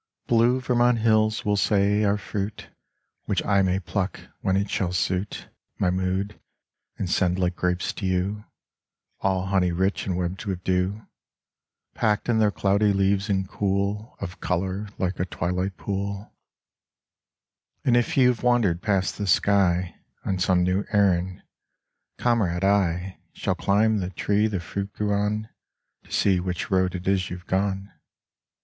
Blue Vermont hills, we'll say, are fruit Which I may pluck when it shall suit My mood and send like grapes to you, All honey rich and webbed with dew, Packed in their cloudy leaves and cool Of color like a twilight pool. Letter to an Aviator in France And if you've wandered past the sky On some new errand, comrade, I Shall climb the tree the fruit grew on, To see which road it is you've gone.